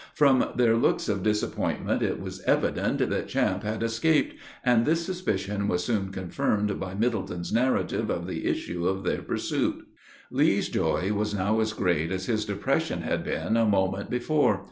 From their looks of disappointment, it was evident that Champe had escaped, and this suspicion was soon confirmed by Middleton's narrative of the issue of their pursuit. Lee's joy was now as great as his depression had been a moment before.